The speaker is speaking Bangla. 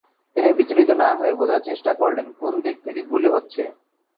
তিনি বিচলিত না হয়ে বোঝার চেষ্টা করলেন, কোন দিক থেকে গুলি হচ্ছে।